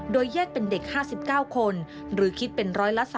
โดยแยกเป็นเด็ก๕๙คนหรือคิดเป็น๑๓